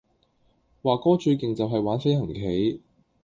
華哥最勁就係玩飛行棋